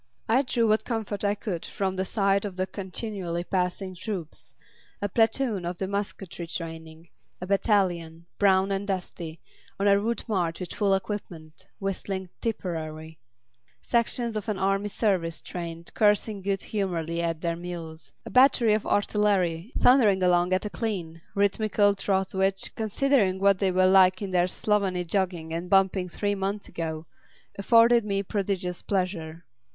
I drew what comfort I could from the sight of the continually passing troops; a platoon off to musketry training; a battalion, brown and dusty, on a route march with full equipment, whistling "Tipperary"; sections of an Army Service train cursing good humouredly at their mules; a battery of artillery thundering along at a clean, rhythmical trot which, considering what they were like in their slovenly jogging and bumping three months ago, afforded me prodigious pleasure.